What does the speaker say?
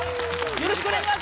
よろしくお願いします